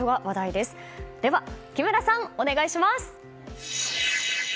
では木村さん、お願いします。